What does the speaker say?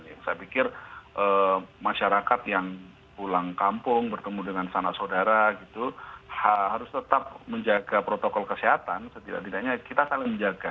saya pikir masyarakat yang pulang kampung bertemu dengan sanak saudara gitu harus tetap menjaga protokol kesehatan setidak tidaknya kita saling menjaga